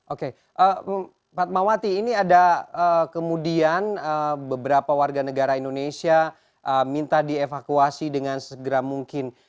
oke fatmawati ini ada kemudian beberapa warga negara indonesia minta dievakuasi dengan segera mungkin